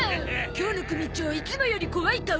今日の組長いつもより怖い顔。